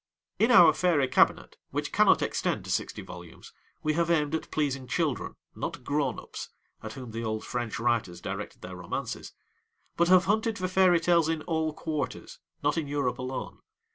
In our Fairy Cabinet, which cannot extend to sixty volumes, we have aimed at pleasing children, not 'grown ups,' at whom the old French writers directed their romances, but have hunted for fairy tales in all quarters, not in Europe alone.